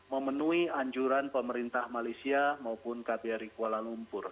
memenuhi anjuran pemerintah malaysia maupun kbri kuala lumpur